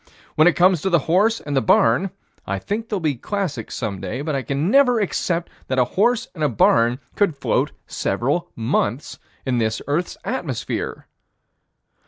When it comes to the horse and the barn I think that they'll be classics some day, but I can never accept that a horse and a barn could float several months in this earth's atmosphere.